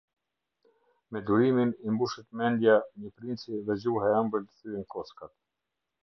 Me durimin i mbushet mendja një princi dhe gjuha e ëmbël thyen kockat.